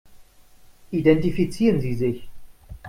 Identifizieren Sie sich.